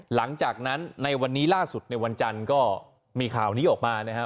หลังจากนั้นในวันนี้ล่าสุดในวันจันทร์ก็มีข่าวนี้ออกมานะครับ